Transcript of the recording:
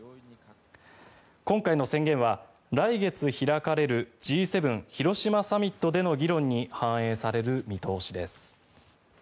今回の宣言は、来月開かれるＧ７広島サミットでの議論に反映される見通しです。